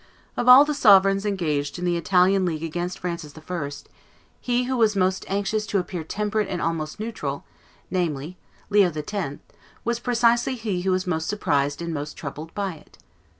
Of all the sovereigns engaged in the Italian league against Francis I., he who was most anxious to appear temperate and almost neutral, namely, Leo X., was precisely he who was most surprised and most troubled by it.